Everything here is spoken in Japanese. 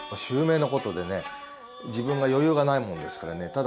襲名のことでね自分が余裕がないもんですからね。